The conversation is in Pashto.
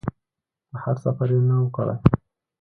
بهر سفر یې نه و کړی.